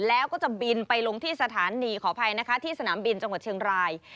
แล้วก็จะบินไปลงที่สถานีขออภัยนะคะที่สนามบินจังหวัดเชียงราย